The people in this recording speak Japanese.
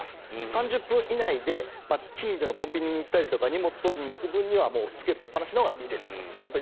３０分以内で近所のコンビニに行ったりとか荷物を取りに行く場合はもうつけっぱなしのほうがいいです。